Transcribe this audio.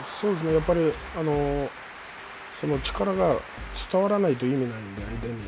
やっぱり力が伝わらないと意味がないので。